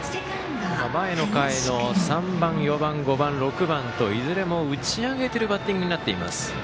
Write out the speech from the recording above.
前の回の３番、４番、５番、６番といずれも打ち上げているバッティングになっています。